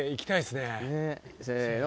せの。